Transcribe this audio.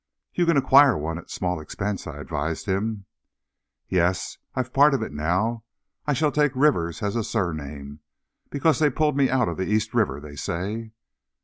"You can acquire one at small expense," I advised him. "Yes; I've part of it now. I shall take Rivers as a surname, because they pulled me out of the East River, they say."